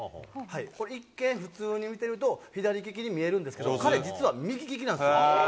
これ、一見、普通に見てると左利きに見えるんですけど、彼実は右利きなんですよ。